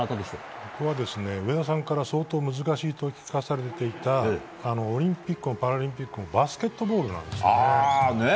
僕は上田さんから相当難しいと聞かされていたオリンピックもパラリンピックもバスケットボールなんですね。